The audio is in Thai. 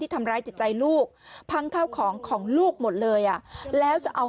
ทำร้ายจิตใจลูกพังข้าวของของลูกหมดเลยอ่ะแล้วจะเอา